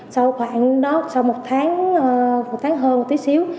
sau khoảng đó sau một tháng hơn một tí xíu